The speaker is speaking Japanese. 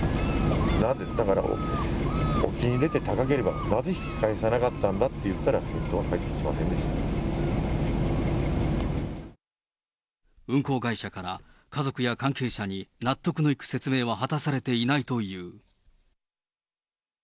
なんで、だから、沖に出て高ければ、なぜ引き返さなかったんだって言ったら、運航会社から、家族や関係者に納得のいく説明は果たされていないという。